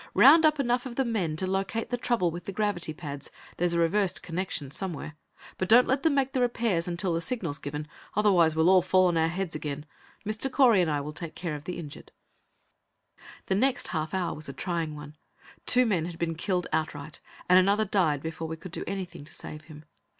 Round up enough of the men to locate the trouble with the gravity pads; there's a reversed connection somewhere. But don't let them make the repairs until the signal is given. Otherwise, we'll all fall on our heads again. Mr. Correy and I will take care of the injured." The next half hour was a trying one. Two men had been killed outright, and another died before we could do anything to save him.